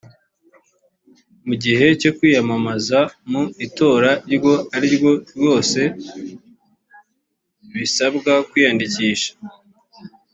mu gihe cyo kwiyamamaza mu itora iryo ariryo ryose bisabwa kwiyandikisha.